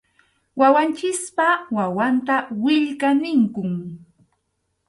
Wawanchikpa wawanta willka ninkum.